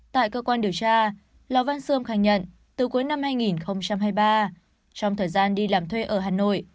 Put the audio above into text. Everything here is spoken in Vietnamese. tại cơ quan điều tra lò văn sươm khai nhận từ cuối năm hai nghìn hai mươi ba trong thời gian đi làm thuê ở hà nội